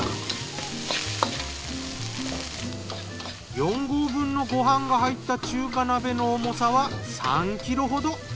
４合分のご飯が入った中華鍋の重さは３キロほど。